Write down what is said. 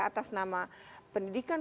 atas nama pendidikan